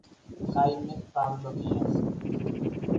Jaime Pablo Díaz.